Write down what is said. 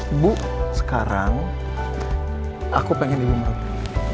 ibu sekarang aku pengen ibu merut